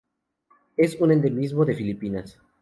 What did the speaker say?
Es un endemismo de Filipinas.